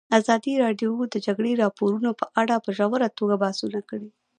ازادي راډیو د د جګړې راپورونه په اړه په ژوره توګه بحثونه کړي.